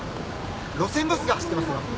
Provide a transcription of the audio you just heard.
路線バスが走ってますよ。